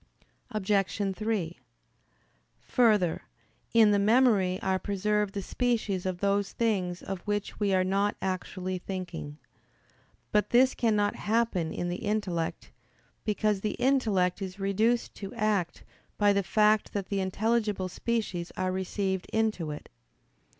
Obj. 3: Further, in the memory are preserved the species of those things of which we are not actually thinking. But this cannot happen in the intellect, because the intellect is reduced to act by the fact that the intelligible species are received into it.